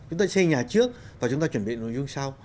chúng ta xây nhà trước và chúng ta chuẩn bị nội dung sau